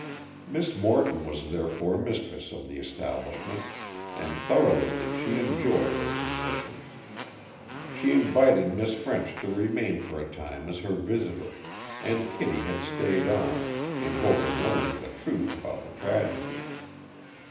Miss Morton was therefore mistress of the establishment, and thoroughly did she enjoy her position. She invited Miss French to remain for a time as her visitor, and Kitty had stayed on, in hope of learning the truth about the tragedy.